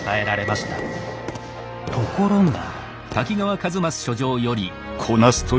ところが。